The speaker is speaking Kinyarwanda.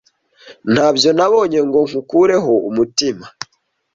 Ntabyo nabonye ngo nkukureho umutima